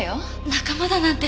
仲間だなんて！